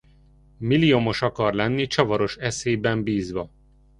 Milliomos akar lenni csavaros eszében bízva.